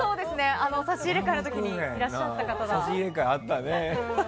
差し入れ回の時にいらっしゃった方だ。